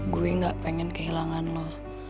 gue gak pengen kehilangan lo